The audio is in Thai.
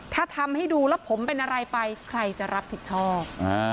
ถ้าทำให้ดูแล้วผมเป็นอะไรไปใครจะรับผิดชอบ